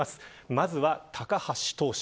まずは高橋投手